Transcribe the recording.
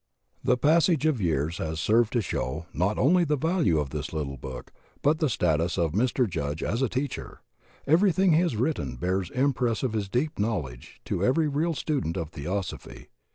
The passage of years has served to show, not only the value of tins Uttie book, but the status of Mr. Judge as a Teacher. Everything he has written bears impress of his deep knowledge to every real student of Theos ophy.